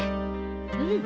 うん。